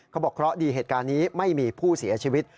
เขาบอกเพราะดีเหตุการณ์นี้ไม่มีผู้เสียชีวิต